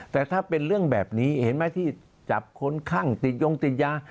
แต่ถ้าเป็นเรื่องแบบนี้เห็นไหมที่จับคนคั่งติดยงติดยา